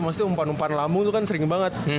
maksudnya umpan umpan lambung itu kan sering banget